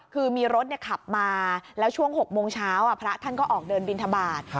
คือมีรถขับมาแล้วช่วง๖โมงเช้าพระท่านก็ออกเดินบินทบาท